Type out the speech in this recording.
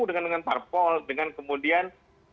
dengan dengan parpol dengan kemudian